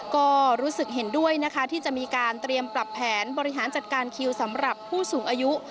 ก็รู้สึกเห็นด้วยนะคะที่จะมีการเตรียมปรับแผนบริหารจัดการคิวสำหรับผู้สูงอายุ